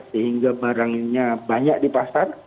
sehingga barangnya banyak di pasar